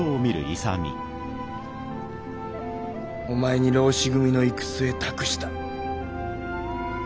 お前に浪士組の行く末託した。